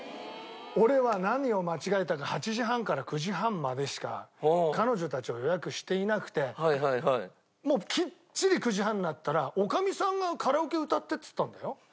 俺は何を間違えたか８時半から９時半までしか彼女たちを予約していなくてもうきっちり９時半になったら女将さんが「カラオケ歌って」っつったんだよ。